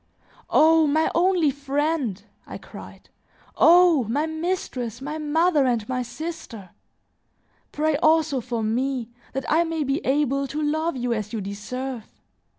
"O my only friend!" I cried. "Oh! my mistress, my mother, and my sister! Pray also for me, that I may be able to love you as you deserve.